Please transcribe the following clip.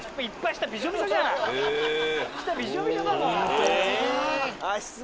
下ビチョビチョだもん。